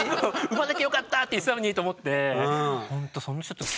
「産まなきゃよかった」って言ってたのにと思って。